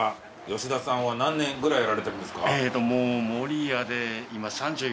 よしださんは何年ぐらいやられてるんですか？